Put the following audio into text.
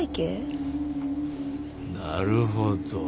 なるほど。